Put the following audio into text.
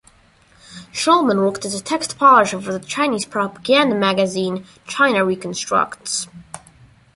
Shulman worked as a text-polisher for Chinese propaganda magazine "China Reconstructs".